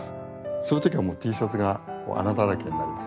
そういう時はもうＴシャツが穴だらけになります。